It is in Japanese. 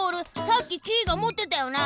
さっきキイがもってたよな？